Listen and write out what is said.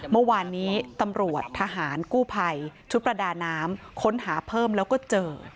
เมื่อวานนี้ตำรวจทหารกู้ภัยชุดประดาน้ำค้นหาเพิ่มแล้วก็เจอ